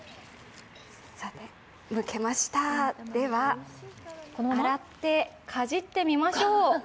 むけました、では、洗ってかじってみましょう。